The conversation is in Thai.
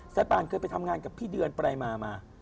ปานเคยไปทำงานกับพี่เดือนปรายมามา